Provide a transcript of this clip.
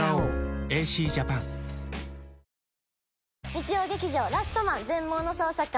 日曜劇場「ラストマン−全盲の捜査官−」